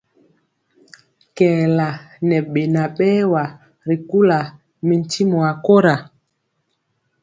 Kɛɛla ŋɛ beŋa berwa ri kula mi ntimɔ a kora.